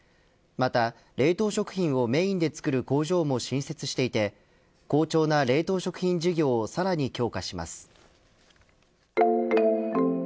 また冷凍食品をメインで作る工場も新設していて好調な冷凍食品事業をさらに強化します。